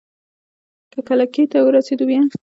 که کلکې ته ورسېدو بيا؟